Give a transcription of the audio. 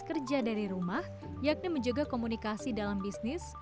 kerja dari rumah yakni menjaga komunikasi dalam bisnis